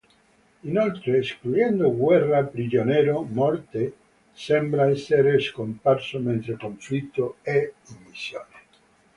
Inoltre, escludendo Guerra prigioniero, Morte sembra essere scomparso mentre Conflitto è in missione.